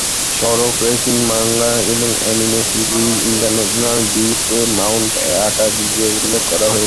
সড়ক racing manga এবং anime series "International D" তে মাউন্ট আকাগিকে উল্লেখ করা হয়েছে।